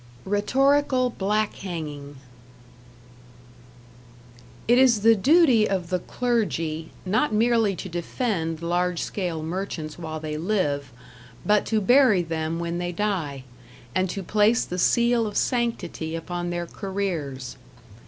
#Rhetorical Black hanging# It is the duty of the clergy, not merely to defend large scale merchants while they live, but to bury them when they die, and to place the seal of sanctity upon their careers.